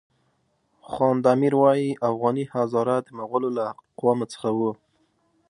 خواند امیر وایي اوغاني هزاره د مغولو له اقوامو څخه وو.